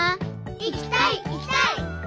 いきたいいきたい！